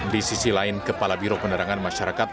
di sisi lain kepala biro penerangan masyarakat